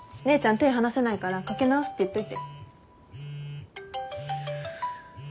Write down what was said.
手離せないからかけ直すって言っといて。